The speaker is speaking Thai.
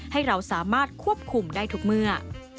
ให้เราสามารถควบคุมได้ทุกเมื่อ